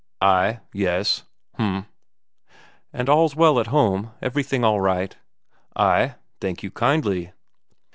"Ay, yes. H'm." "And all's well at home, everything all right?" "Ay, thank you kindly."